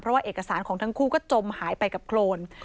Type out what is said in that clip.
เพราะว่าเอกสารของทั้งคู่ก็จมหายไปกับโครน